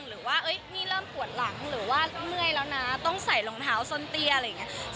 หรือว่าพี่เริ่มปวดหลังหรือว่าเมื่อยแล้วนะต้องใส่รองเท้าส้นเตี้ยอะไรอย่างนี้